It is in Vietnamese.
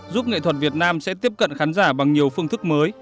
giúp nghệ thuật việt nam sẽ tiếp cận khán giả bằng nhiều phương thức mới